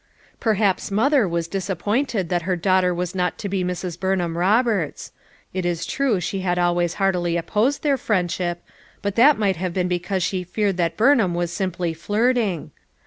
Perhaps mother was disappointed that her daughter was not to be Mrs. Burnham Rob erts; it is true she had always heartily opposed their friendship, but that might have been be cause she feared that Burnham was simply flirting.